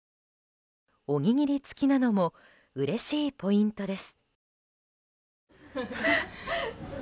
おにぎり付きなのもうれしいポイントです。